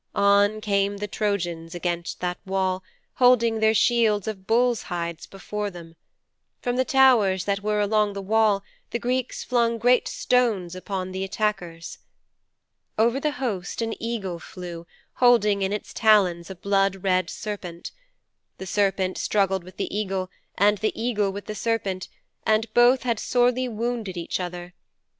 On came the Trojans against that wall, holding their shields of bulls' hides before them. From the towers that were along the wall the Greeks flung great stones upon the attackers.' 'Over the host an eagle flew, holding in its talons a blood red serpent. The serpent struggled with the eagle and the eagle with the serpent, and both had sorely wounded each other.